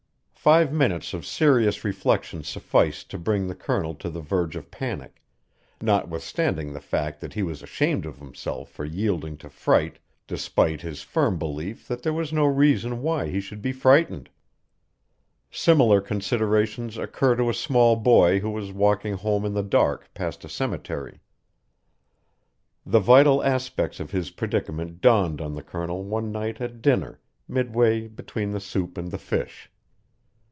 Five minutes of serious reflection sufficed to bring the Colonel to the verge of panic, notwithstanding the fact that he was ashamed of himself for yielding to fright despite his firm belief that there was no reason why he should be frightened. Similar considerations occur to a small boy who is walking home in the dark past a cemetery. The vital aspects of his predicament dawned on the Colonel one night at dinner, midway between the soup and the fish.